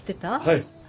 はい。